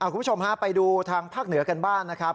คุณผู้ชมฮะไปดูทางภาคเหนือกันบ้างนะครับ